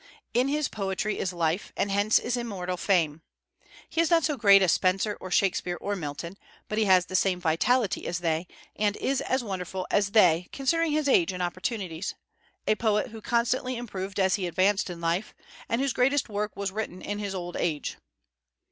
In his poetry is life; and hence his immortal fame. He is not so great as Spenser or Shakspeare or Milton; but he has the same vitality as they, and is as wonderful as they considering his age and opportunities, a poet who constantly improved as he advanced in life, and whose greatest work was written in his old age.